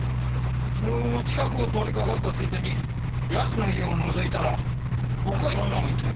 昨日近くを通りかかったついでに奴の家をのぞいたら若い女がいたよ。